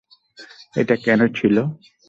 এটা কেন ছিল?